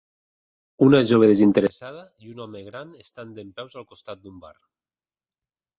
Una jove desinteressada i un home gran estan dempeus al costat d'un bar.